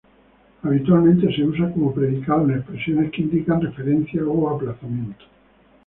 Habitualmente, se usa como predicado en expresiones que indican referencia o aplazamiento.